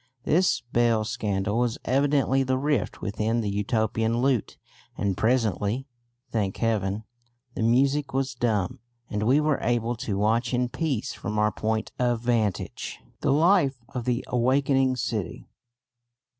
This bell scandal was evidently the rift within the Utopian lute; and presently, thank heaven! the music was dumb, and we were able to watch in peace from our point of vantage the life of the awakening city.